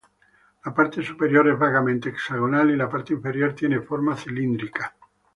La parte superior es vagamente hexagonal y la parte inferior tiene forma cilíndrica.